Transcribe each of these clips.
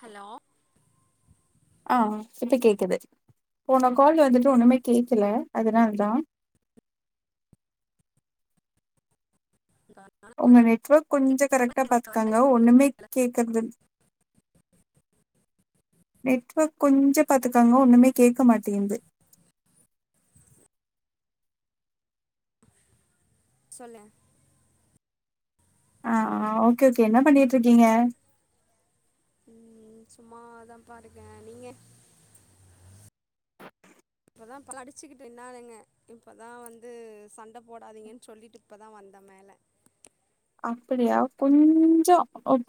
Hello அ இப்ப கேக்குது போன கால் வந்துட்டு ஒண்ணுமே கேட்கல அதனால தா த [inaudible] உங்க நெட்வொர்க் கொஞ்ச கரெக்டா பாத்துக்காங்க ஒண்ணுமே கேக்குறது நெட்வொர்க் கொஞ்ச பாத்துக்கோங்க ஒண்ணுமே கேக்க மாட்டேங்குது சொல்லு அ ஓகே ஓகே என்ன பண்ணிட்டு இருக்கீங்க ம் சும்மா தா பா இருக்கே நீங்க இப்ப தா அடிச்சிக்கிட்டு நின்னானுங்க இப்பதா வந்து சண்டை போடாதீங்கன்னு சொல்லிட்டு இப்ப தா வந்த மேல அப்டியா கொஞ்சோ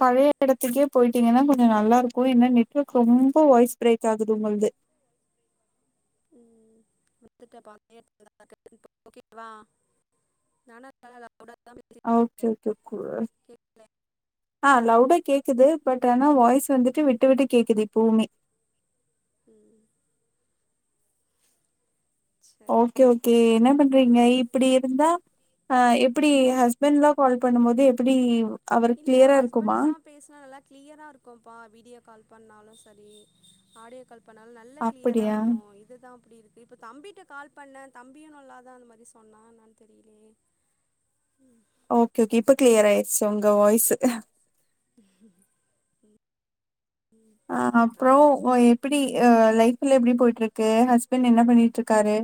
பழைய எடத்துக்கே போயிட்டீங்கன்னா கொஞ்ச நல்லா இருக்கு ஏன்னா நெட் ரொம்ப வாய்ஸ் ப்ரேக் ஆகுது உங்கள்து [inaudible] நானா [unintelligible] [inaudible] அ ஓகே ஓகே [unintelligible] அ லவுடா கேக்குது பட் ஆனா வாய்ஸ் வந்துட்டு விட்டு விட்டு கேக்குது இப்பவுமே ம் ஓகே ஓகே என்ன சரிப்பா பண்றீங்க இப் இப்டி இருந்தா அ எப்டி ஹஸ்பண்ட்லா கால் பண்ணும்போது எப்டி அவரு கிளியரா இருக்குமா பேசனா நல்லா கிளியரா இருக்கும்ப்பா வீடியோ கால் பண்ணாலும் சரி ஆடியோ கால் இப்ப நல்ல கிளியரா அப்படியா? இருக்கோ இதுதான் அப்டி இருக் இப்ப தம்பிட்ட கால் பண்ண தம்பியு நல்லாதா அந்த மாரி சொன்னா என்னான் தெரிலயே ம் ஓகே ஓகே இப்ப கிளியர் ஆயிருடுச்சு உங்க வாய்ஸ் ம் அ இப்ப அப்பறம் எப்டி அ லைஃப்லா எப்டி போய்ட்டு இருக்கு ஹஸ்பண்ட் என்ன பண்ணிட்டுருக்காரு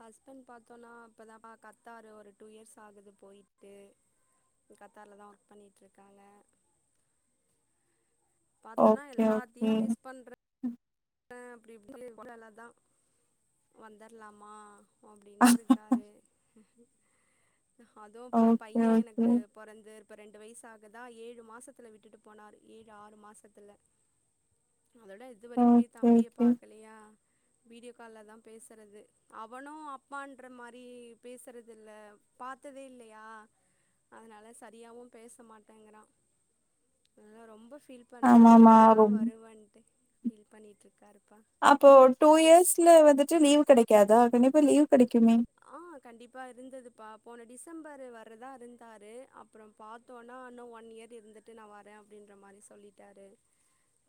ஹஸ்பண்ட் பாத்தோம்னா இப்போதா கத்தாரு ஒரு டூ இயர்ஸ் ஆகுது போய்ட்டு கத்தார்ல தான் ஒர்க் பண்ணிகிட்டு இருக்காங்க பாத்தனா ஓகே ஓகே. எல்லாத்தியு மிஸ் பண்ற ஆ அப்டி இப்டி சொல்ட்டு அவ்ளோதா வந்தர்லாமா வோம் அப்டின்ட்டு இருக்காரு அதுவும் இப்போ ஓகே பையன் ஓகே. எனக்கு பொறந்து இப்ப ரெண்டு வயசாகதா ஏழு மாசத்துல விட்டுட்டு போனாரு ஏழு ஆறு மாசத்துல அதோட இது வரைக்குமே ஓகே தம்பிய ஓகே. பாக்கலையா வீடியோ கால்லதா பேசுறது அவனு அப்பான்ற மாரி பேசுறதில்ல பாத்ததே இல்லையா அதனால சரியாவும் பேச மாட்டேங்கிறான் அதா ரொம்ப ஃபீல் பண்றாரு ஆமாமா எப்படா ரொம் வருவன்ட்டு ஃபீல் பண்ணிட்டு இருக்காருப்பா அப்போ ட்டூ இயர்ஸ்ல வந்துட்டு லீவ் கிடைக்காதா கண்டிப்பா லீவ் கெடைக்குமே ஆ கண்டிப்பா இருந்ததுப்பா போன டிசம்பரு வரதா இருந்தாரு அப்புறம் பாத்தோன்னா இன்னும் ஒன் இயர் இருந்துட்டு நான் வரேன் அப்டின்ற மாறி சொல்லிட்டாரு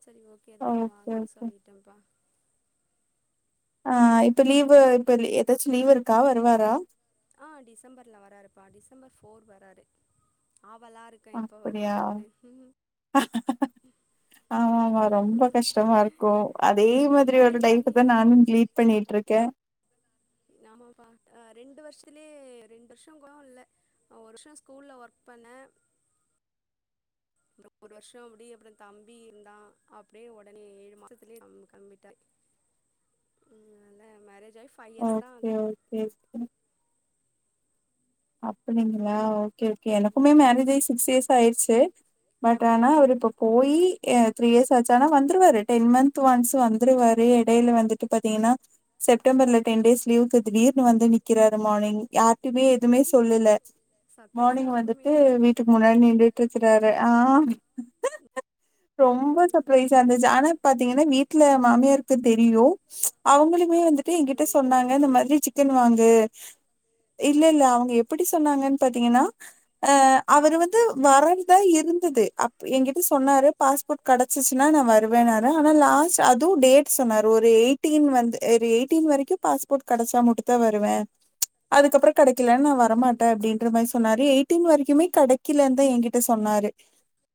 சரி ஓ ஓகே இருந்துட்டு வாங்கன்னு சொல்லிட்டேன்ப்பா ஆ இப்ப லீவு் இப்ப ஏதாச்சும் லீவ் இருக்கா வருவாரா ஆ டிசம்பர்ல் வராருப்பா டிசம்பர் ஃபோர் வராரு ஆவலா இருக் க எப்போ அப்படியா வருவார்னு ஆமா ஆமா ரொம்ப கஷ்டமா இருக்கு அதே மாதிரி ஒரு மேரேஜ் ஆகி லைஃபுதா நானும் லீட் பண்ணிட்டு இருக்கே நாமாபா ரெண்டு வருஷத்துலயே ரெண்டு வருஷங் கூட இல்ல அ ஒரு வருஷோ ஸ்கூல்ல ஒர்க் பண்ண அப்பறோ ஒரு வருஷம் அப்டி அப்பறம் தம்பி இருந்தான் அப்டியே உடனே ஏழு மாசத்துலயே கம் கிளம்பிட்டார் ம் நல்ல மேரேஜ் லைஃப் ஓகே ஓகே ம் அப்டிங்களா ஓகே ஓகே எனக்குமே ம் மேரேஜ் ஆய் சிக்ஸ் இயர்ஸ் ஆயிர்ச்சு ஆ பட் ஆனா அவுரு இப்ப போயி அ த்ரீ இயர்ஸ் ஆச் ஆனா வந்துருவாரு டென் மன்த் ஒன்ஸ் வந் ந்துடுவாரு எடையில வந்துட்டு பாத்தீங்கன்னா செப்டம்பர்ல டென் டேஸ் லீவுக்கு திடீர்னு வந்து நிக்குறாரு மார்னி்ங் யார்ட்டுமே எதுமே சொல்லல சர்ப்ரைஸா மார்னிங் வந்துட்டு இருக்குமே வீ வீட்டு முன்னாடி நின்னுட்டுருக்கிறாரு ஆ ரொம்ப சப்ரைஸ்ஸா இருந்துச்சு ஆனா பாத்தீங்கன்னா வீட்ல மாமியார் தெ தெரியு அவுங்களுமே வந்துட்டு என்கிட்ட ம் உங்கள சொன்னாங்க இந்த சொல்ல மாதிரி சி எத்துனு வந்து ஆ இல்ல இல்ல அவங்க எப்டி சொன்னாங்கன்னு பாத்தீங்கன்னா ஆ அவரு வந்து வரன்தா இருந்தது அப் எங்கிட்ட சொன்னாரு பாஸ்போர்ட் கெடச்சிச்சுன்னா நான் வருவன்னாரா லாஸ்ட் அதுவும் டேட் சொன்னார்ரு ஒரு எயிட்டீன் வந்து ஒரு எயிட்டீன் வரைக்கும் பாஸ் போட் கடச்சா மட்டுதா வருவே அதுக்கப்புறோ கெடைக்கலன் நா வரமாட்டே அப்டின்ற மாறி சொன்னாரு எய் டீன் வரிக்குமே கடைக்கிலன்தா என்கிட்ட சொன்னாரு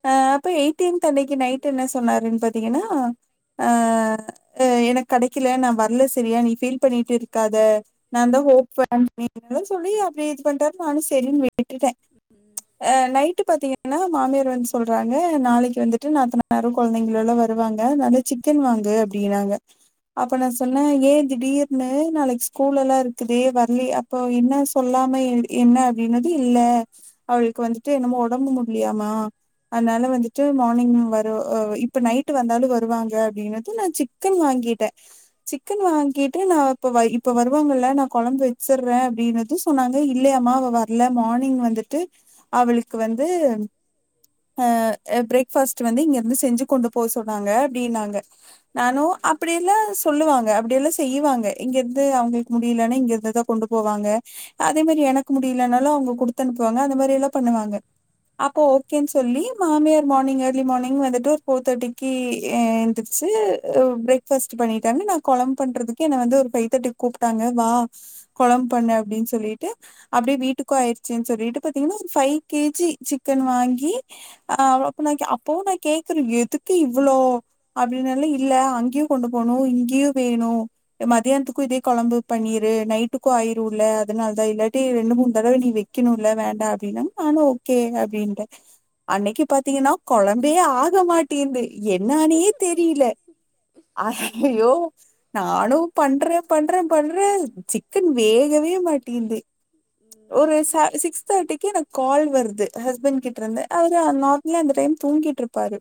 ஆ அப்ப எயிட்டீன்த்து அன்னைக்கு நை நைட்டு ம் என்ன சொன்னாருன்னு பாத்தீங்கன்னா ஆ எனக் கடைக்கில நா வர்ல செரியா நீ ஃபீல் பண்ணிட்டு இருக்காத நான் தான் [inaudible] துள்ளி அப்புடே இது பண்ட்டாரு நானு சேரின் விட்டுட்டே ம் அ நைட்டு பாத்தீங்க என்னா மாமியார் வந்து சொல்றாங்க நாளைக்கு வந்துட்டு நாத்தனாரும் கொழந்தைங்களும் எல்லா வருவாங்க நல்லா சிக்கன் வாங்கு அப்டினாங்க அப்ப நா சொன்ன ஏ திடீர்னு நாளைக்கு ஸ்கூல் எல்லா இருக்குதே வர்லயா அப்போ என்ன சொல்லாம என்ன அப்டின்னது இல்ல அவளுக்கு வந்துட்டு என்னமோ ஒடம்பு முட்லையாமா அதனால வந்துட்டு மார்னிங் வரு அ இப்ப நைட் வந்தாலு வருவாங்க அப்படினது நான் சி சிக்கன் வாங்கிட்டே சிக்கன் வாங்கிட்டு நா இப்ப இப்ப வருவாங்கல்ல நா கொழம்பு வச்சிற்றே அப்டினதுக் து சொன்னாங்க இல்லையாமா அவ வர்ல மானிங் வந்துட்டு அவளுக்கு வந்து அ பிரேக் ஃபாஸ்ட் வந்து இங்கருந்து செஞ்சி கொண்டு போ சொன்னாங்க அப்டினாங்க நானு அப் ம் அப்படியெல்லா சொல்லுவாங்க அப்படியெல்லா செய்யுவாங்க இங்கேருந்து அவங்களுக்கு முடியலன்னா இங்கேருந்து தா கொண்டு போவாங்க அதே மாறி எனக்கு முடியலனாலு அவங்க குடுத்து அனுப்புவாங்க அந்த மாறி எல்லா பண்ணுவாங்க அப்போ ஓக்கேன்னு சொல்லி மாமியார் மார்னிங் ஏர்லி மார்னிங் வந்துட்டு ஒரு ஃபோர் தேர்ட்டிக்கு ஏன்திருச் சே பிரேக் ஃபாஸ்ட் பண்ணிட்டாங்க நா கொழம்பு பண்றதுக்கு என்னை வந்து ஒரு பைவ் தேர்ட்டி கூப்பிட்டாங்க வா கொழம்பு பண்ணு அப்டின்னு சொல்லிட்டு அப்டியே வீட்டுக்கு ஆயிருச்சுன்னு சொல்லிட்டு பாத்தீங்கன்னா ஃபைவ் கே ஜி சிக்கன் வாங்கி ஆ அவ அப்ப நா அப்பவு நா கேக்குறே எதுக்கு இவ்ளோ அப்டின்னுல்லா இல்ல அங்கயு கொண்டு போனு இங்கியு வேணு அ மதியானத்துக்கு இதே கொழம்பு பண்ணிரு நைட்டுக்கு ஆயிரு இல்ல அதனால தா இல்லாட்டி ரெண்டு மூணு தடவை நீ வெக்கணு இல்ல வேண்டா அப்டின்னாங்க நானும் ஓக்கே அப்டின்ட்ட அன்னைக்கு பாத்தீங்கனா கொழம்பே ஆக மாட்டேந்து என்னானே தெரியில ம் ம் ஹய்யோ நானு பண்ற பண்ற பண்றே சிக்கன் வேகவே மாட்டிங்து ஒரு ம் சா சிக்ஸ் தேர்ட்டிக்கு எனக்கு கால் வருது ஹஸ்பண்ட் கிட்ட இருந்து அவரு நா இல்ல இந்த டைம் தூங்கிட்டு இருப்பாரு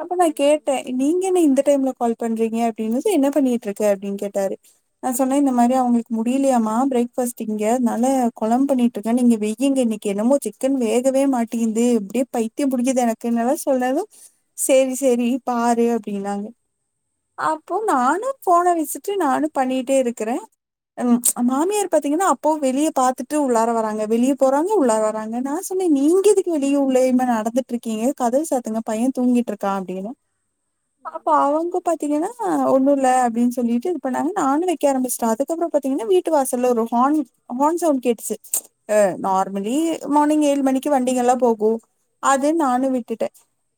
அப்ப நா ம் கேட்ட நீங்க என்ன இந்த டைம்ல கால் பண்றீங்க அப்டினது என்ன பண்ணிட்ருக்க அப்டின் கேட்டாரு நா சொன்ன இந்த ம் மாரி அவுங்களுக்கு முடியலையாமா பிரேக் ஃபஸ்ட் இங்க அதனால கொழம் பண்ணிட்ருக்க நீங்க வெய்யிங்க இன்னைக்கு என்னமோ சிக்கன் வேகவே மாட்டங்கிது அப்டியே பை சுத்தியும் புடிக்குது எனக்கு என்னல்லா சொன்னது சரி சரி பாரு அப்படின்னாங்க அப்போ நானு போனை வச்சுட்டு நானு பண்ணிட்டே இருக்கிறே ம் மாமியார் பாத்தீங்கன்னா அப்போ வெளியே பாத்துட்டு உள்ளார வராங்க வெளிய போறாங்க உள்ளார வராங்க நா சொன்னே நீங்க எதுக்கு வெளியே உள்ளேயுமா நடந்துட்ருக்கீங்க கதவ சாத்துங்க பைய தூங்கிட்ருக்கா அப்படின்ன அப்ப அவங்கப் பாத்தீங்கன்னா ஒன்னுல்ல அப்டின்னு சொல்லிட்டு இப்ப நானு வைக்க ஆரம்பிச்சிட்டே அதுக்கப்பறோ பாத்தீங்கன்னா வீட்டு வாசல்ல ஹார்ன் ஹார்ன் சவுண்ட் கேட்டுச்சி ஆ ம் நார்மலி மார்னிங் ஏழு மணிக்கு வண்டிங்க எல்லா போகு அது நானு ம் விட்டுட்டே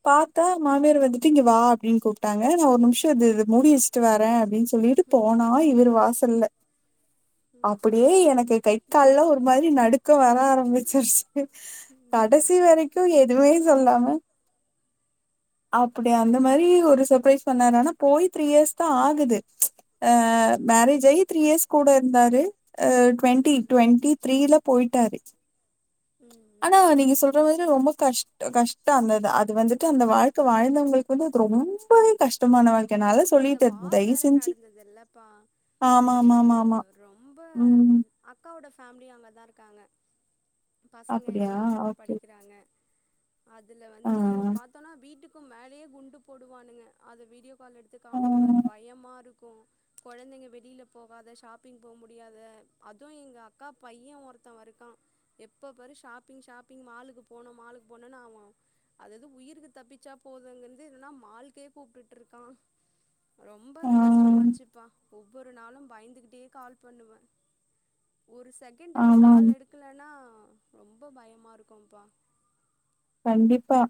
பாத்தா மாமியார் வந்துட்டு இங்க வா அப்டின்னு கூப்ட்டாங்க நா ஒரு நிமிஷம் இதுது மூடி வெச்சுட்டு வரே அப்டின்னு சொல்லி போனா இவர் வாசல்ல ம் ஐயோ அப்படியே எனக்கு கை கால்லா ஒரு மாரி நடுக்க வர ஆரம்பிச்சிருச்சு கடைசி ம் வரைக்கு எதுமே சொல்லாம அப்படி அந்த ஆ மாதிரி ஒரு சர்ப்ரைஸ் பண்ணாரு ஆனா போய் த்ரீ இயர்ஸ் தா ஆகுது ஆ ம் ம் மேரேஜ் ஆயி த்ரீ இயர்ஸ் கூட இருந்தாரு அ டுவெண்ட்டி டுவெண்ட்டி த்ரீல போயிட்டாரு ம் ஆனா ம் நீங்க சொல்ற மாதிரி ரொம்ப கஷ்ட கஷ்டம் அந்தது அது வந்துட்டு அந்த வாழ்க்கை வாழ்ந்தவங்களுக்கு வந்து அது ரொம்பவே கஷ் ரொம் அதுவும் இப்ப இந்த வார் வேற நடந்ததுல்லப்பா ஆமா, அதுல ஆமா, ஆமா, ஆமா. ரொம் ரொம்ப ம். அக்காவோட ஃபேமிலி அங்கதா இருக்காங்க பசங்க அப்படியா? எல்லா அங்கதா ஓகே. படிக்கிறாங்க அதுல ஆ. வந்து பாத்தோனா வீட்டுக்கு க்கும் மேலயே குண்டு போடுவானுங்க அத வீடியோ கால் எடுத்து ஆ. காமிப்பாரு பயமா இருக்கு குழந்தைங்க வெளில போகாத ஷாப்பிங் போ முடியாத அதுவு எங்கக்கா பைய ஒருத்தவ இருக்கா எப்ப பாரு ஷாப்பிங் ஷாப்பிங் மாலுக்கு போனோ மாலுக்கு போனோமன்னு அவே அது அது உயிருக்கு தப்பிச்சா போததுங்கின்து இத்னா மால்கே கூப்பிட்டு ருக்கா ரொம்ப ஆ. அது கஷ்டமாச்சுப்பா ஒவ்வொரு நாளூ பயந்துகிட்டே கால் பண்ணுவே ஒரு செகண்ட் அவர் ஆமாம். கால் எடுக் க்கலன்னா ரொம்ப பயமா இருக்கும்ப்பா கண்டிப்பா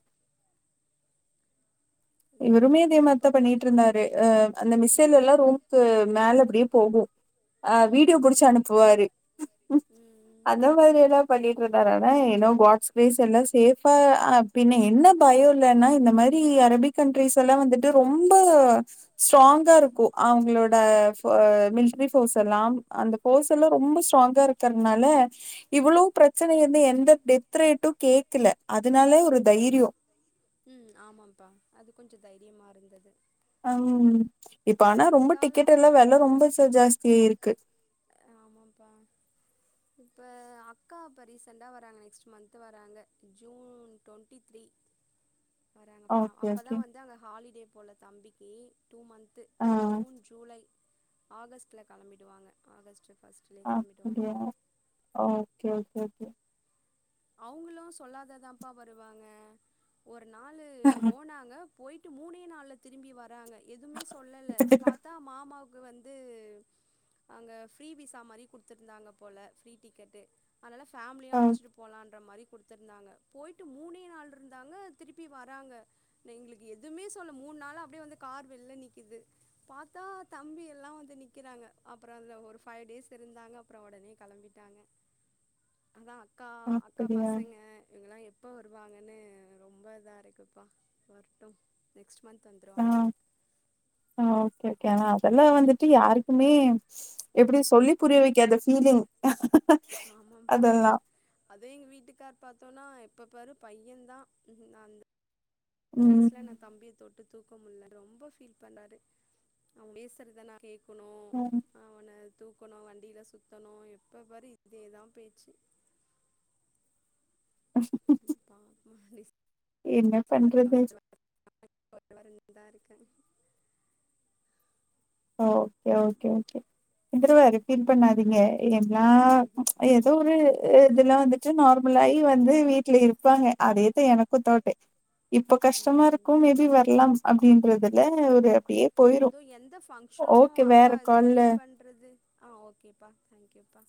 இவருமே ஆம், இதே மாறிதா எப்ப பாரு பண்ணிட்டு இருந்தாரு ஆ அந்த ம் மிசிலெல்லா ரூம்க்கு மேல அப்டியே போகும் ஆ ம் வீடியோ புடிச்சு ம் அனுப்புவாரு ம் ம் அந்த மாரில்லா பண்ணி க்ரூதாரனை இன்னோ பாக்ஸ் ஃபீஸ் எல்லா சேஃபா பின்ன என்ன பயயோ இல்லன்னா இந்த மாரி அரபிக் கண்ட்ரிஸ்ல்லா வந்துட்டு ரொம்ப ஸ்ட்ராங்கா இருக்கோ அவங்களோட இப்ப மில்ட்ரி ஃபோர்ஸ் எல்லா அந்த ஃபோர்ஸ் எல்லா ம் ரொம்ப ஸ்ட்ராங்கா இருக்க னால இவ்ளோ பிரச்சனை என் இருந்து எந்த டெத் ரேட்டும் கேக்ல அதுனாலே ஒரு தைரியோ ம் ஆமாப்பா அது கொஞ்சோ தைரியமா இருந்தது அம் இப்ப ஆனா ரொம்ப இருந்தாலு டிக்கெட் எல்லா வெல ரொம்ப ஜாஸ்தியா இருக்கு ஆமாப்பா இப்ப அக்கா இப்ப ரீசெண்டா வராங்க நெக்ஸ்ட் மந்த் வராங்க ஜூன் டுவெண்ட்டி த்ரீ வராங்கபா ஓகே அப்பதா ஓகே. வந்து அங்க ஹாலிடே போல தம்பிக்கு டூ மந்த்து ஆ. ஜூன் ஜூலை ஆகஸ்ட்ல கெளம்பிடுவாங்க ஆகஸ்ட் ஃபர்ஸ்ட்லயே அ கெளம்பிடுவாங்க அப்டியா ஓக்கே ஓகே அவுங்குளும் சொல்லாததான்ப்பா வருவாங்க ஒரு நாளு போனாங்க போயிட்டு மூணே நாள்ல திரும்பி வராங்க எதுமே சொல்லல பாத் தா மாமாவுக்கு வந்து அங்க ஃப்ரீ விசா மாறி குடுத்துருந்தாங்க போல ஃப்ரீ டிக்கெட்டு அதனால ஃபேமிலியு ஓ அழைச்சிட்டு ன்ற மாரி கொடுத்துருந்தாங்க போயிட்டு மூணே நாள் இருந்தாங்க திருப்பி வராங்க னா எங்களுக்கு எதுமே சொல்ல மூன் நாளா அப்டியே வந்து கார் வெள்ல நிக்குது பாத்தா தம்பில்லா வந்து நிக்கிறாங்க அப்றோ அந்த ஒரு ஃபைவ் டேஸ் இருந்தாங்க அப்றோ ஒடனே கெளம்பிட்டாங்க அத்தா அக்கா அக்கா அப்படியா? பசங்க இவங்கல்லா எப்ப வருவாங்கன்னு ரொம்ப இதா இருக்குப்பா வர்டும் நெக்ஸ்ட் மந்த் வந்துருவாங்க ஓக்கே ஓக்கே ஆனா அதெல்லா வந்துட்டு யாருக்குமே எப்டி சொல்லி புரிய வைக்காத ஃபீலிங் ஆமாப்பா அதெல்லா. அதே எங்க வீட்டுக்கார் பாரத்தோம்னா எப்ப பாரு பையன் தா அந்த இந்த ம். வயசுல நா தம்பிய தொட்டு தூக்க முல்ல ரொம்ப ஃபீல் பண்றாரு அவ பேசுறத நா கேக் க்கணு ம். அவன தூக்கணு வண்டில சுத்தணு எப்ப பாரு இதேதா பேச்சு ம் பா நெக்ஸ்ட் என்ன பண்றது? சம்மர்ல [inaudible] [inaudible] இருக்கோ ஓகே ஓகே ஓகே வந்திரவாரு ஃபீல் பண்ணாதீங்க எல்லா இதோ ஒரு இதெல்லா வந்துட்டு நார்மலாயி வந்து வீட்டுல இருப்பாங்க அதே எனக்கோ த்தார்டி இப்ப கஷ்டமா ம் இருக்கு மேபி வரலா அப்டின்றதுல ஒரு அப்டியே போயிரு அதோ எந்த ஃபங்க்ஷனு ஓகே வேற அக்கா இது கால்ல ஃபீல் பண் றது ஆ ஓகேப்பா தேங்க்யூப்பா